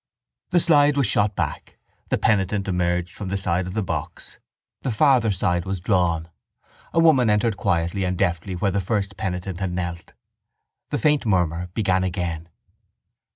The slide was shot back. The penitent emerged from the side of the box. The farther side was drawn. A woman entered quietly and deftly where the first penitent had knelt. The faint murmur began again.